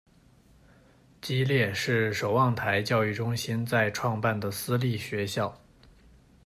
基列是守望台教育中心在创办的私立学校。